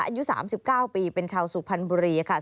อายุ๓๙ปีเป็นชาวสุพรรณบุรีค่ะ